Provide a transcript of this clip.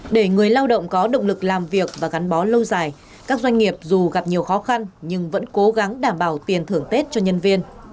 để người lao động có động lực làm việc và gắn bó lâu dài các doanh nghiệp dù gặp nhiều khó khăn nhưng vẫn cố gắng đảm bảo tiền thưởng tết cho nhân viên